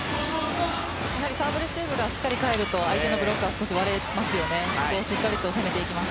サーブレシーブがしっかり返ると相手のブロックは少し割れますね。